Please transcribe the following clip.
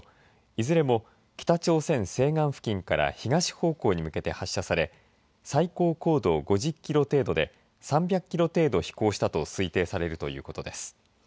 いずれも、北朝鮮西岸付近から東方向に向けて発射され最高高度５０キロ程度で３００キロ程度飛行したと推定されるということです。